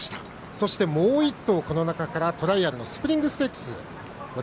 そして、もう１頭この中から、トライアルのスプリングステークスです。